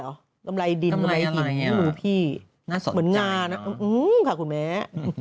เหมือนงาคุณแม้